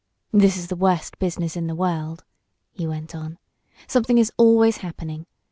"This is the worst business in the world," he went on. "Something is always happening.